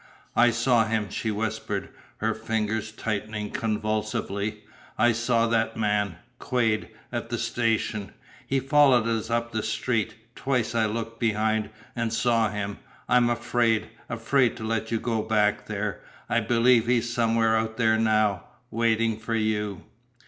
"I saw him," she whispered, her fingers tightening convulsively. "I saw that man Quade at the station. He followed us up the street. Twice I looked behind and saw him. I am afraid afraid to let you go back there. I believe he is somewhere out there now waiting for you!"